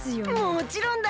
もちろんだ！